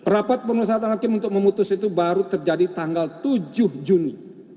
rapat pemerintahan hakim untuk memutus itu baru terjadi tanggal tujuh juni